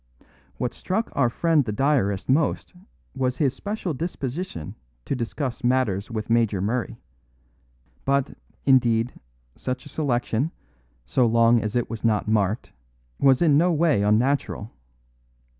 What struck our friend the diarist most was his special disposition to discuss matters with Major Murray; but, indeed, such a selection, so long as it was not marked, was in no way unnatural.